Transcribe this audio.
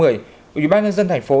ủy ban nhân dân thành phố